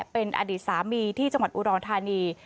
เป็นอดีตสามีที่จังหวัดอุดรธานี